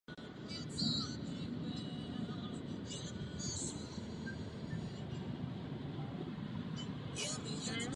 Vystudoval Divadelní fakultu Akademie múzických umění v Praze.